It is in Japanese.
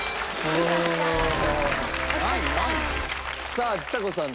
さあちさ子さん